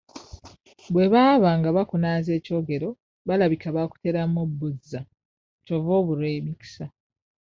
Bwe baba nga baakunaaza ekyogero balabika baakuteramu bbuza ky'ova obulwa emikisa.